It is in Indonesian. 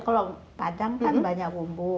kalau padang kan banyak bumbu